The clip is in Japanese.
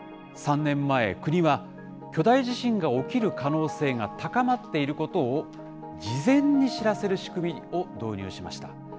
３年前、国は巨大地震が起きる可能性が高まっていることを事前に知らせる仕組みを導入しました。